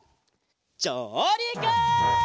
じょうりく！